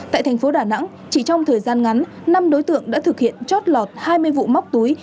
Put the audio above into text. tại thành phố đà nẵng chỉ trong thời gian ngắn năm đối tượng đã thực hiện chót lọt hai mươi vụ móc túi